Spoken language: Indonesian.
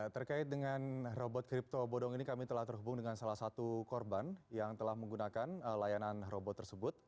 terkait dengan robot kripto bodong ini kami telah terhubung dengan salah satu korban yang telah menggunakan layanan robot tersebut